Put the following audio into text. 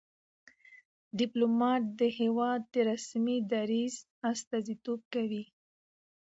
ډيپلومات د هېواد د رسمي دریځ استازیتوب کوي.